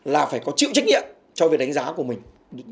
là phải có chịu trách nhiệm cho việc đánh giá của mình